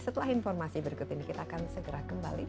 setelah informasi berikut ini kita akan segera kembali